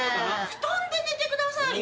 布団で寝てくださいよ。